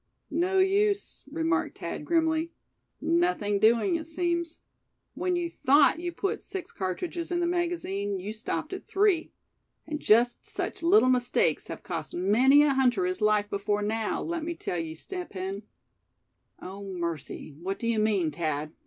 "No use," remarked Thad, grimly; "nothing doing, it seems. When you thought you put six cartridges in the magazine, you stopped at three. And just such little mistakes have cost many a hunter his life before now, let me tell you, Step Hen." "Oh! mercy, what do you mean, Thad?"